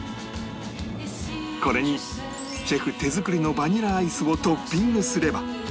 これにシェフ手作りのバニラアイスをトッピングすれば